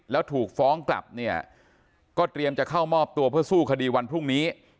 แล้วถูกฟ้องกลับเนี่ยก็เตรียมจะเข้ามอบตัวเพื่อสู้คดีวันพรุ่งนี้